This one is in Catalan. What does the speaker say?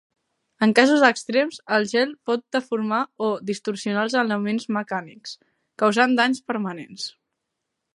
En casos extrems, el gel pot deformar o distorsionar elements mecànics, causant danys permanents.